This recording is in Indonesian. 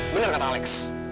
bener kata alex